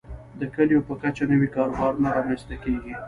د کليو په کچه نوي کاروبارونه رامنځته کیږي.